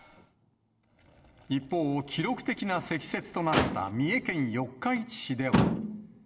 一方、記録的な積雪となった三重県四日市市では。